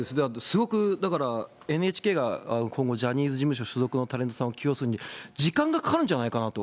すごくだから、ＮＨＫが今後、ジャニーズ事務所所属のタレントさんを起用するのに時間がかかるんじゃないかなと。